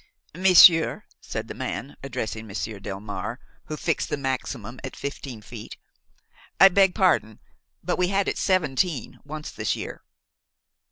"Monsieur," said the man, addressing Monsieur Delmare, who fixed the maximum at fifteen feet, "I beg pardon, but we had it seventeen once this year."